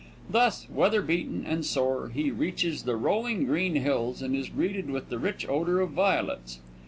Thus, weather beaten and sore, he reaches the rolling green hills and is greeted with the rich odor of violets.